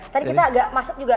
tadi kita agak masuk juga